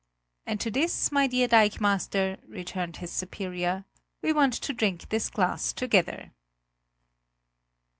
"And to this, my dear dikemaster," returned his superior, "we want to drink this glass together."